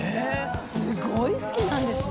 すごい好きなんですね。